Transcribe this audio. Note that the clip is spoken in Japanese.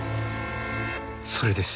それです。